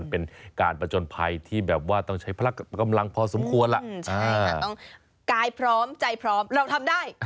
พร้อมใจพร้อมเราทำได้